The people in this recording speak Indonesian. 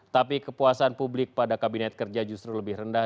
tapi kepuasan publik pada kabinet kerja justru lebih rendah